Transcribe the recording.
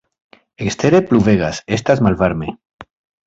Ekstere pluvegas, estas malvarme.